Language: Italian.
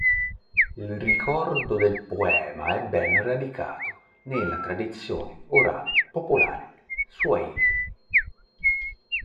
Il ricordo del poema è ben radicato nella tradizione orale popolare swahili.